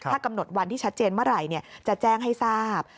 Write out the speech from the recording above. ถ้ากำหนดวันที่ชัดเจนเมื่อไหร่จะแจ้งให้ทราบ